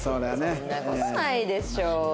そんな事ないでしょ。